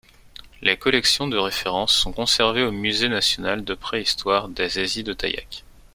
Les collections de référence sont conservées au Musée National de Préhistoire des Eyzies-de-Tayac.